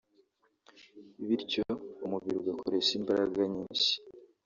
bityo umubiri ugakoresha imbaraga nyinshi